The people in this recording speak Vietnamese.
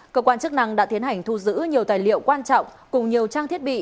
cơ quan chức năng đã tiến hành thu giữ nhiều tài liệu quan trọng cùng nhiều trang thiết bị